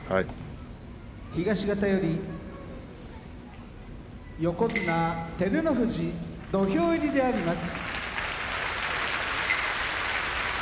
東方より横綱照ノ富士土俵であります。